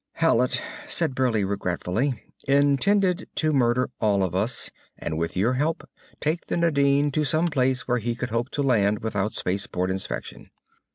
"Hallet," said Burleigh regretfully, "intended to murder all of us and with your help take the Nadine to some place where he could hope to land without space port inspection."